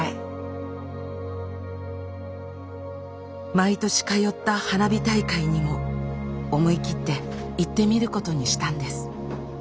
毎年通った花火大会にも思い切って行ってみることにしたんです。